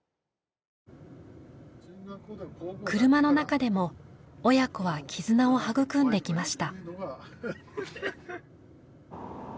車の中でも親子は絆を育んできました。